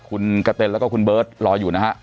คุณกะเต็นแล้วก็คุณเบิร์ตรออยู่นะฮะ